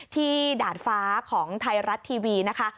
ด่านฟ้าของไทยรัฐทีวีนะคะ